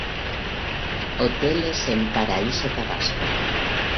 Hoteles en Paraíso Tabasco